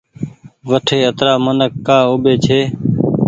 وٺي اترآ منک ڪآ اوٻي ڇي۔